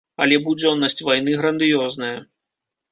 Але будзённасць вайны грандыёзная.